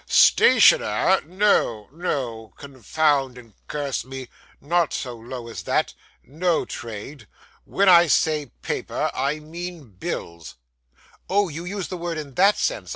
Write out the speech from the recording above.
'Stationer! No, no; confound and curse me! Not so low as that. No trade. When I say paper, I mean bills.' 'Oh, you use the word in that sense.